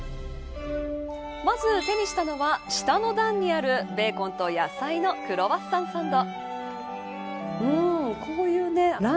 まず手にしたのは、下の段にあるベーコンと野菜のクロワッサンサンド。